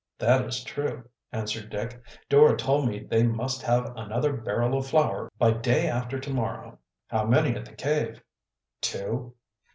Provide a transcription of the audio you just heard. "That is true," answered Dick. "Dora told me they must have another barrel of flour by day after to morrow." "How many at the cave?" "Two."